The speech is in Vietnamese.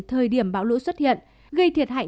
thời điểm bão lũ xuất hiện gây thiệt hại